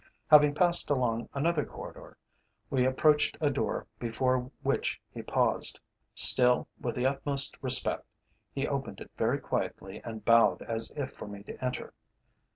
Having passed along another corridor, we approached a door before which he paused. Still with the utmost respect, he opened it very quietly, and bowed as if for me to enter.